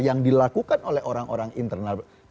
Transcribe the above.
yang dilakukan oleh orang orang internal